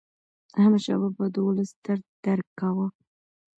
احمدشاه بابا د ولس درد درک کاوه.